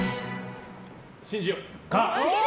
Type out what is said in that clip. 信じよう、可！